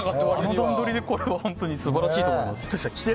あの段取りでこれは素晴らしいと思います。